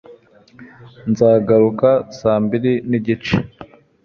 nzagaruka saa mbiri n'igice